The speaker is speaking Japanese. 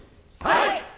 はい！